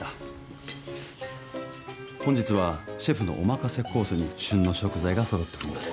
本日はシェフのお任せコースに旬の食材が揃っております。